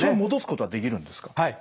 はい。